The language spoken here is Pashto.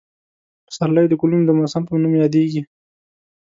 پسرلی د ګلونو د موسم په نوم یادېږي.